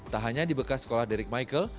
tak hanya di bekas sekolah derek michael